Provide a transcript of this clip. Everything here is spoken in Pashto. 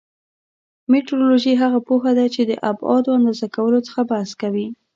مټرولوژي هغه پوهه ده چې د ابعادو اندازه کولو څخه بحث کوي.